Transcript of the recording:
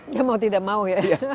ya mau tidak mau ya